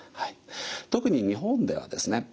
特に日本ではですね